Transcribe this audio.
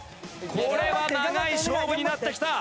これは長い勝負になってきた！